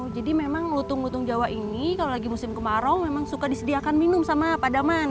jadi memang lutung jawa ini saat musim kemarau suka disediakan minum dengan pak daman